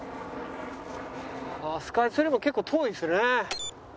スカイツリーも結構遠いですね。